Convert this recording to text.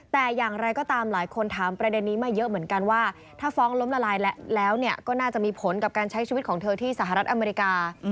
แต่อย่างไรก็ตามหลายคนถามประเด็นนี้มาเยอะเหมือนกันว่าถ้าฟ้องล้มละลายแล้วก็น่าจะมีผลกับการใช้ชีวิตของเธอที่สหรัฐอเมริกา